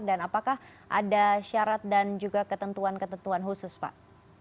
dan apakah ada syarat dan juga ketentuan ketentuan khusus pak